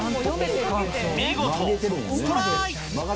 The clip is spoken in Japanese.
見事、ストライク！